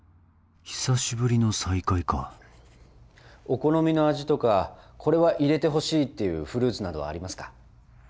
久しぶりの再会かお好みの味とかこれは入れてほしいっていうフルーツなどはありますか？